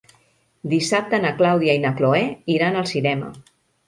Dissabte na Clàudia i na Cloè iran al cinema.